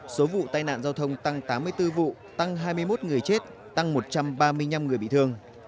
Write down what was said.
số vụ tai nạn giao thông tăng tám mươi bốn vụ tăng hai mươi một người chết tăng một trăm ba mươi năm người bị thương